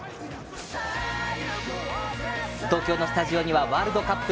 東京のスタジオにはワールドカップ